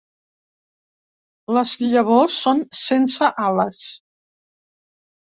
Les llavors són sense ales.